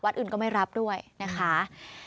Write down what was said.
อื่นก็ไม่รับด้วยนะคะ